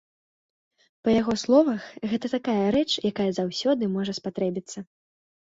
Па яго словах, гэта такая рэч, якая заўсёды можа спатрэбіцца.